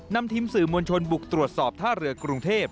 นำทีมสื่อมวลชนบุกตรวจสอบท่าเรือกรุงเทพ